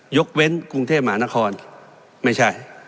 ยกเว้นกรุงเทพมหานครไม่ใช่